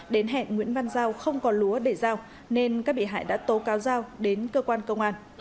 đến hẹn nguyễn văn giao không có lúa để giao nên các bị hại đã tố cáo giao đến cơ quan công an